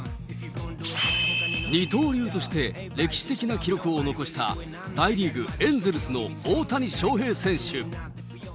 二刀流として歴史的な記録を残した大リーグ・エンゼルスの大谷翔平選手。